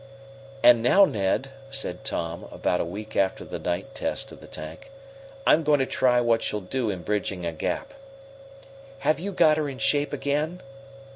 "And now, Ned," said Tom, about a week after the night test of the tank, "I'm going to try what she'll do in bridging a gap." "Have you got her in shape again?"